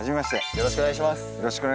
よろしくお願いします。